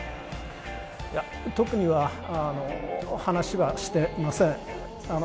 特には話はしていません。